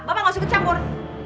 bapak nggak usah kecampur